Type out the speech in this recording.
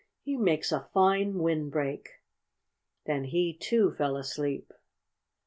"He makes a fine windbreak." Then he too fell asleep.